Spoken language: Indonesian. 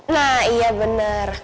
nah iya bener